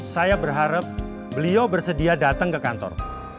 saya berharap beliau bersedia datang ke kantor